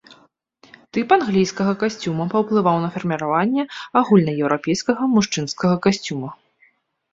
Тып англійскага касцюма паўплываў на фарміраванне агульнаеўрапейскага мужчынскага касцюма.